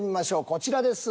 こちらです。